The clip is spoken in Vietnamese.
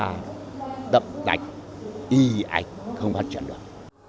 và đậm đạch y ảnh không phát triển được